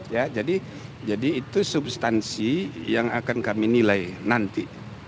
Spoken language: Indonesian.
ya jadi itu substansi yang akan kami nilai nanti